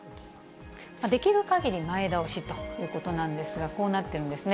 できるかぎり前倒しということなんですが、こうなってるんですね。